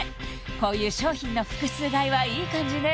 こういう商品の複数買いはいい感じね